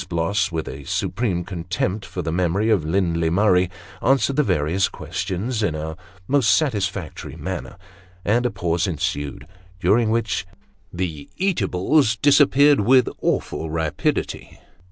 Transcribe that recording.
Bless, with a supreme contempt for the memory of Lindley Murray, answered the various questions in a most satisfactory manner ; and a pause ensued, during which the eatables disappeared with awful rapidity.